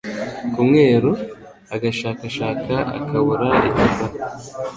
ku mwero agashakashaka akabura icyo afata